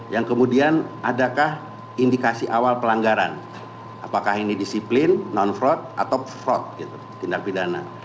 yang kemudian adakah indikasi awal pelanggaran apakah ini disiplin non fraud atau fraud tindak pidana